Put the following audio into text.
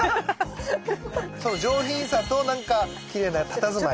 その上品さとなんかきれいなたたずまい。